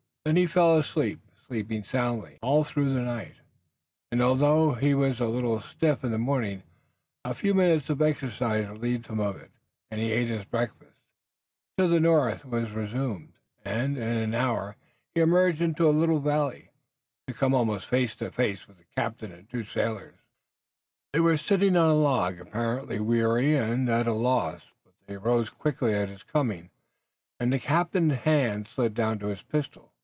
Then he fell asleep, sleeping soundly, all through the night, and although he was a little stiff in the morning a few minutes of exercise relieved him of it and he ate his breakfast. His journey toward the north was resumed, and in an hour he emerged into a little valley, to come almost face to face with the captain and the two sailors. They were sitting on a log, apparently weary and at a loss, but they rose quickly at his coming and the captain's hand slid down to his pistol.